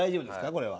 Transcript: これは。